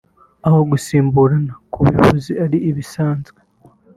aho gusimburana ku buyobozi ari ibisanzwe